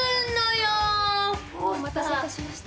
お待たせいたしました。